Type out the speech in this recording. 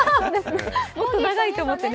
もっと長いと思ってね。